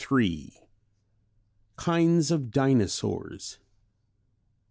KINDS OF DINOSAURS.